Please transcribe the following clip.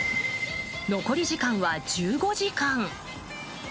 残り時間は１５時間。